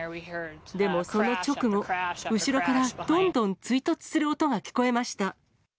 でもその直後、後ろからどんどん追突する音が聞こえました。